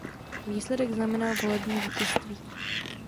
Výsledek znamenal volební vítězství.